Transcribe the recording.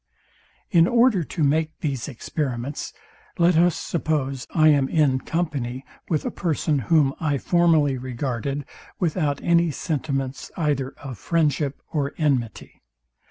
In order to make these experiments, let us suppose I am in company with a person, whom I formerly regarded without any sentiments either of friendship or enmity.